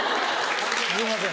すいません。